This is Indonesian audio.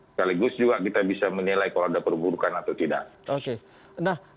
sekaligus juga kita bisa menilai kalau ada perburukan atau tidak